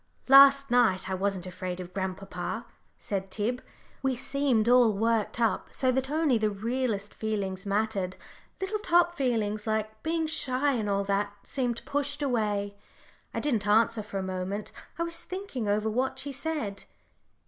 "Last night I wasn't afraid of grandpapa," said Tib; "we seemed all worked up, so that only the realest feelings mattered. Little top feelings, like being shy and all that, seemed pushed away." I didn't answer for a moment. I was thinking over what she said.